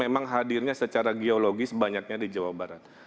memang hadirnya secara geologis banyaknya di jawa barat